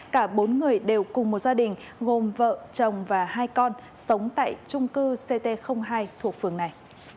cả bốn người đều cùng một gia đình gồm vợ chồng và hai con sống tại trung cư ct hai thuộc phường này